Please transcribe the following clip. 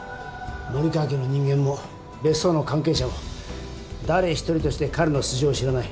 森川家の人間も別荘の関係者も誰一人として彼の素性を知らない。